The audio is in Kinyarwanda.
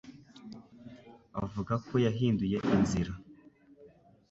avuga ko yahinduye inzira.